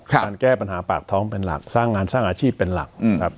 การแก้ปัญหาปากท้องเป็นหลักสร้างงานสร้างอาชีพเป็นหลักครับ